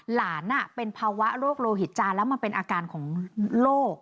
หลานเป็นภาวะโรคโลหิตจานแล้วมันเป็นอาการของโรค